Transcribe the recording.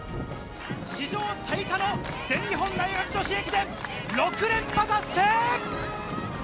史上最多の全日本大学女子駅伝６連覇達成！